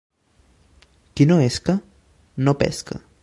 Qui no esca, no pesca.